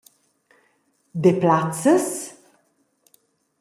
Deplazes?